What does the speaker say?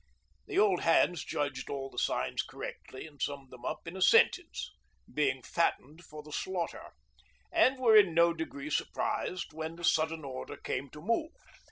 The old hands judged all the signs correctly and summed them up in a sentence, 'Being fattened for the slaughter,' and were in no degree surprised when the sudden order came to move.